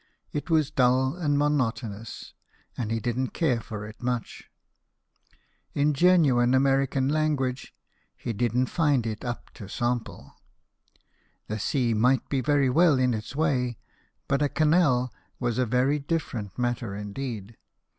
It was dull and monotonous, 142 BIOGRAPHIES OF WORKING MEN. and he didn't care for it much. In genuine American language, " he didn't find it up to sample." The sea might be very well in its way ; but a canal was a very different matter indeed.